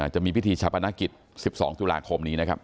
จะมีพิธีชาปนกิจ๑๒ตุลาคมนี้นะครับ